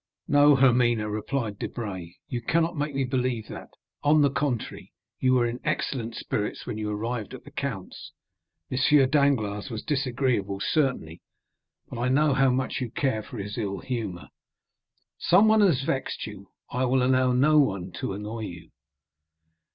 "No, Hermine," replied Debray; "you cannot make me believe that; on the contrary, you were in excellent spirits when you arrived at the count's. M. Danglars was disagreeable, certainly, but I know how much you care for his ill humor. Someone has vexed you; I will allow no one to annoy you."